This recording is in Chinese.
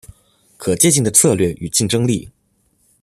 可借镜的策略与竞争力